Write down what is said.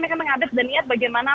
mereka mengabes dan niat bagaimana